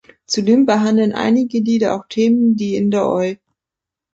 Zudem behandeln einige Lieder auch Themen, die in der Oi!